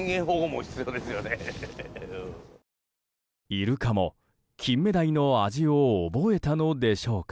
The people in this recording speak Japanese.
イルカも、キンメダイの味を覚えたのでしょうか。